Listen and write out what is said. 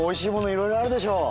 いろいろあるでしょう。